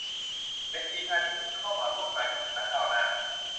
เป็นทีมงานที่เพิ่งเข้ามาร่วมงานกับคณะก้าวหน้า